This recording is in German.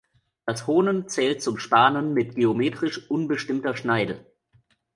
Das Honen zählt zum Spanen mit geometrisch unbestimmter Schneide.